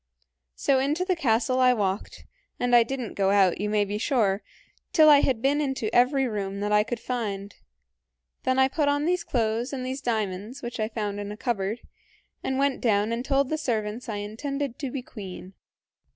"So into the castle I walked, and I did n't go out, you may be sure, till I had been into every room that I could find. Then I put on these clothes and these diamonds, which I found in a cupboard, and went down and told the servants I intended to be queen.